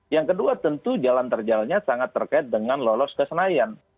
yang kedua tentu jalan terjalnya sangat terkait dengan lolos ke senayan